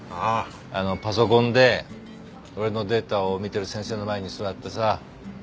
パソコンで俺のデータを見てる先生の前に座ってさ。